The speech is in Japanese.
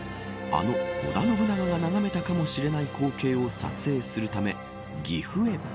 織田信長が眺めたかもしれない光景を撮影するため岐阜へ。